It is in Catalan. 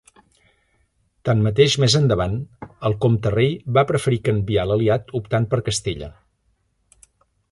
Tanmateix més endavant, el comte-rei va preferir canviar d'aliat optant per Castella.